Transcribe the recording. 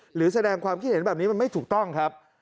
หรือแสดงความคิดเห็นแบบนี้มันไม่ถูกต้องครับ